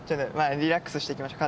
リラックスしていきましょう肩